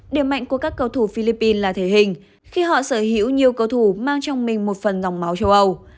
điểm mạnh của các cầu thủ philippines là thể hình khi họ sở hữu nhiều cầu thủ mang trong mình một phần dòng máu châu âu